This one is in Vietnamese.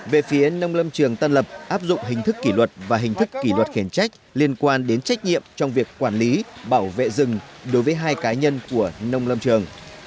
về phía nông lâm trường tân lập áp dụng hình thức kỷ luật và hình thức kỷ luật khiển trách liên quan đến trách nhiệm trong việc quản lý bảo vệ rừng đối với hai cá nhân của nông lâm trường